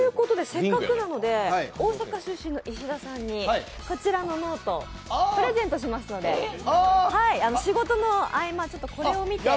せっかくなので大阪出身の石田さんにこちらのノート、プレゼントしますので、仕事の合間これを見て。